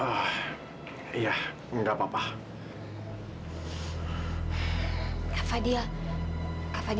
lagi lagi gua ketemu sama dia